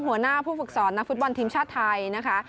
หัวหน้าผู้ฝึกสอนนักฟุตบอลทีมชาติไทยนะคะ